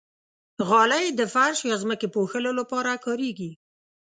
غالۍ د فرش یا ځمکې پوښلو لپاره کارېږي.